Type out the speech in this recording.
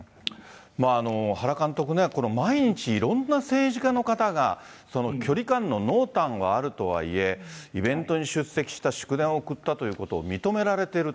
原監督ね、毎日、いろんな政治家の方が距離感の濃淡はあるとはいえ、イベントに出席した、祝電を送ったということを認められている。